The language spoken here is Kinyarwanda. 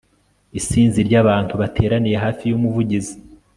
isinzi ryabantu bateraniye hafi yumuvugizi